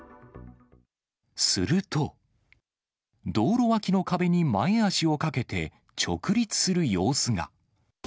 すると、道路脇の壁の前足をかけて、直立する様子が。